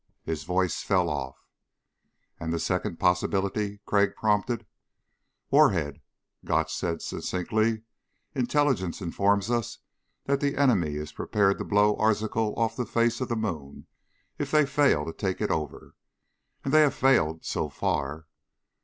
His voice fell off. "And the second possibility?" Crag prompted. "Warhead," Gotch said succinctly. "Intelligence informs us that the enemy is prepared to blow Arzachel off the face of the moon if they fail to take it over. And they have failed so far."